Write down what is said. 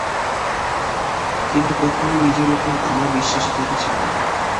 কিন্তু কখনো নিজের উপরে আমার বিশ্বাসের ত্রুটি ছিল না।